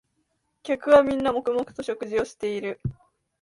客はみんな黙々と食事をしている